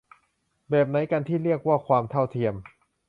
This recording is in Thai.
แบบไหนกัน ที่เรียกว่าความเท่าเทียม